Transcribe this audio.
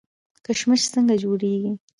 کشمش څنګه جوړیږي؟